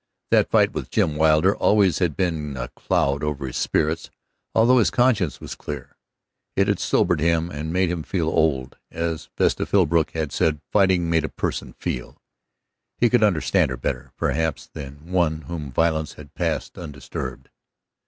That fight with Jim Wilder always had been a cloud over his spirits, although his conscience was clear. It had sobered him and made him feel old, as Vesta Philbrook had said fighting made a person feel. He could understand her better, perhaps, than one whom violence had passed undisturbed.